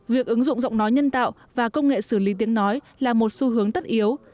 việc ứng dụng giọng nói nhân tạo và công nghệ xử lý tiếng nói là một xu hướng tất yếu